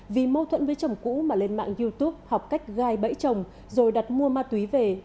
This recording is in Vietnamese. vì mâu thuẫn với chồng cũ mà lên mạng youtube học cách gai bẫy chồng rồi đặt mua ma túy về